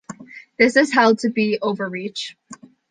This is held to be "overreach".